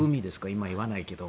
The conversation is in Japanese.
今言わないですけど。